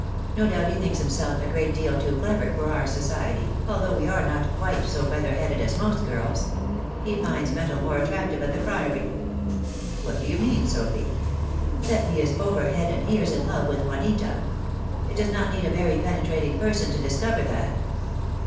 No doubt he thinks himself a great deal too clever for our society, although we are not quite so feather headed as most girls. He finds metal more attractive at the Priory." "What do you mean, Sophy?" "That he is over head and ears in love with Juanita. It does not need a very penetrating person to discover that."